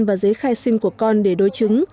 và giấy khai sinh của con để đối chứng